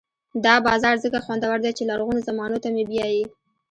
دا بازار ځکه خوندور دی چې لرغونو زمانو ته مې بیايي.